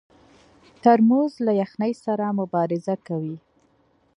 ترموز له یخنۍ سره مبارزه کوي.